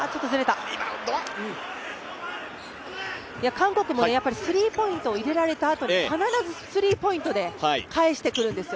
韓国もスリーポイントを入れられたあと必ずスリーポイントで返してくるんですよ。